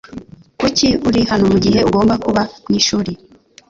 Kuki uri hano mugihe ugomba kuba mwishuri?